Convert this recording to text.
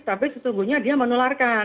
tapi sesungguhnya dia menularkan